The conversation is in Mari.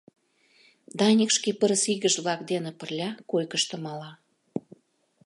Даник шке пырысигыж-влак дене пырля койкышто мала.